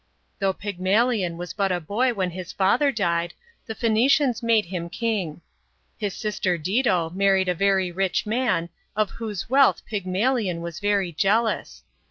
Though Pygmalion was but a boy when his father died, the Phoenicians made him king. His sister Dido married a very rich man, of whose wealth Pygmalion was very jealous.